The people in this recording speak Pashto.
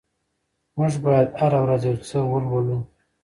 موږ بايد هره ورځ يو څه ولولو.